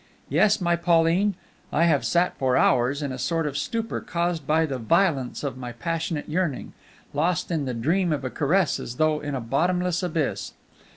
Yes, my Pauline, I have sat for hours in a sort of stupor caused by the violence of my passionate yearning, lost in the dream of a caress as though in a bottomless abyss.